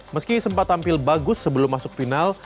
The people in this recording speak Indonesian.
meski sempat tampil bagus sebelum masuk final